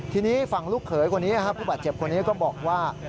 ทีนี้ฝั่งลูกเขยคนนี้ผู้บาดเจ็บคนนี้ก็บอกว่า